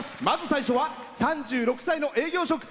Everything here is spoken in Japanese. まず最初は３６歳の営業職。